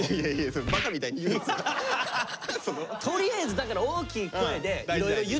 とりあえずだから大きい声でいろいろ言っていこうという。